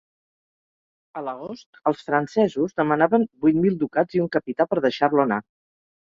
A l'agost, els francesos, demanaven vuit mil ducats i un capità per deixar-lo anar.